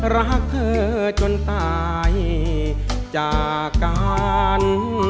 รักเธอจนตายจากการ